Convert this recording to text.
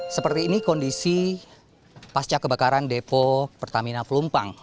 seperti ini kondisi pasca kebakaran depo pertamina pelumpang